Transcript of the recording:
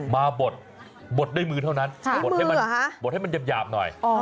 มาบดบดด้วยมือเท่านั้นบดให้มันบดให้มันหยาบหน่อย